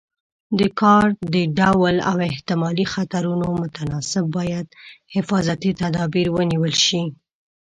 د کار د ډول او احتمالي خطرونو متناسب باید حفاظتي تدابیر ونیول شي.